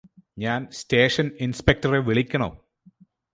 ഞാന് സ്റ്റേഷന് ഇന്സ്പെക്ടറെ വിളിക്കണോ